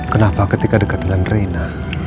kenapa ketika dekat dengan reina